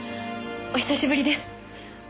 お久しぶりです。